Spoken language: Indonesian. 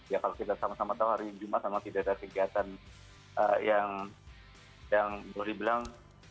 ya kalau kita sama sama tahu hari jumat memang tidak ada kegiatan yang boleh dibilang